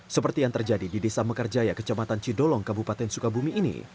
seperti yang terjadi di desa mekarjaya kecamatan cidolong kabupaten sukabumi ini